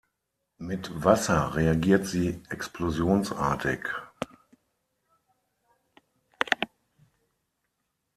Mit Wasser reagiert sie explosionsartig.